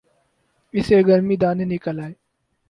اسے گرمی دانے نکل آئے